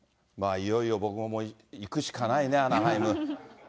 いよいよ僕も行くしかないな、アナハイム。